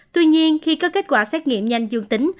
tuy nhiên khi có kết quả xét nghiệm nhanh dương tính